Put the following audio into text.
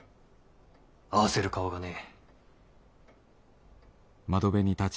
合わせる顔がねぇ。